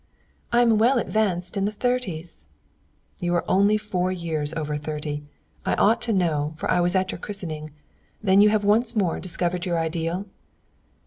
"I am well advanced in the thirties." "You are only four years over thirty. I ought to know, for I was at your christening. Then you have once more discovered your ideal?"